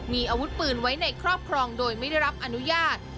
มีอาวุธปืนไว้ในครอบครองโดยไม่ได้รับอนุญาต